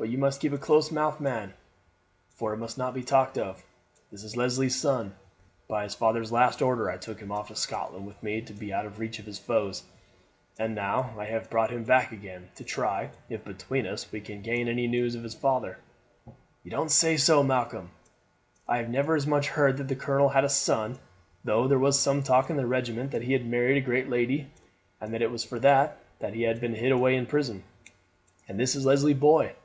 But you must keep a close mouth, man, for it must nor be talked of. This is Leslie's son. By his father's last order I took him off to Scotland with me to be out of reach of his foes, and now I have brought him back again to try if between us we can gain any news of his father." "You don't say so, Malcolm! I never as much heard that the colonel had a son, though there was some talk in the regiment that he had married a great lady, and that it was for that that he had been hid away in prison. And this is Leslie's boy!